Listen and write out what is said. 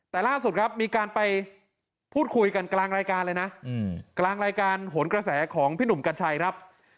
แต่ล่าสุดครับมีการไปพูดคุยกันกลางรายการเลยนะกลางรายการโหนกระแสของพี่หนุ่มกัญชัยครับ